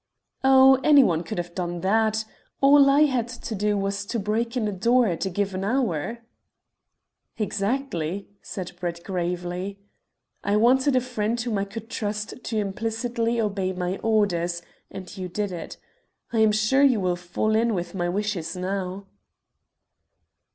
"Oh, any one could have done that. All I had to do was to break in a door at a given hour." "Exactly," said Brett gravely. "I wanted a friend whom I could trust to implicitly obey my orders, and you did it. I am sure you will fall in with my wishes now."